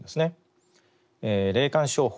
霊感商法